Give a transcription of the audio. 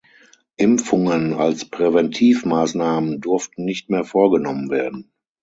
Impfungen als Präventivmaßnahmen durften nicht mehr vorgenommen werden.